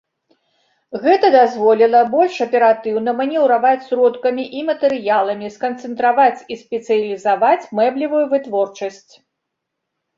Гэта дазволіла больш аператыўна манеўраваць сродкамі і матэрыяламі, сканцэнтраваць і спецыялізаваць мэблевую вытворчасць.